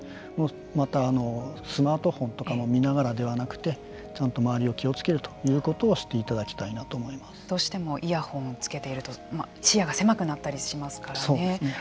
また、スマートフォンとかも見ながらではなくてちゃんと周りを気をつけるということをどうしてもイヤホンをつけていると視野が狭くなったりしますからね。